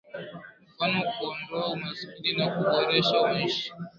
Ni mfano kuondoa umaskini na kuboresha maisha